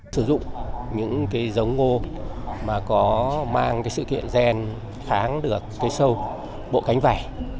sử dụng những cái giống ngô mà có mang cái sự kiện gen kháng được cái sâu bộ cánh vải